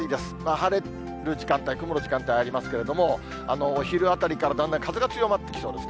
晴れる時間帯、曇る時間帯ありますけれども、お昼あたりからだんだん風が強まってきそうですね。